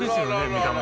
見た目